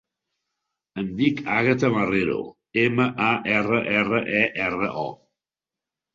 Em dic Àgata Marrero: ema, a, erra, erra, e, erra, o.